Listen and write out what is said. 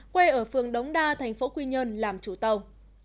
quê ở phường đống đa thành phố quy nhơn làm chủ tàu